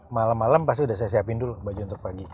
malam malam pasti udah saya siapin dulu baju untuk pagi